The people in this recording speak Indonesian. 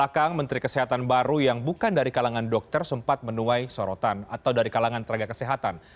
kementerian kesehatan kemudian menjadi direktur utama pt asan aluminium